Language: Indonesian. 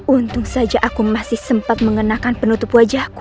untung saja aku masih sempat mengenakan penutup wajahku